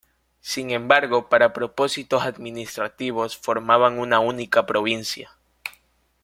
Sin embargo, para propósitos administrativos formaban una única provincia.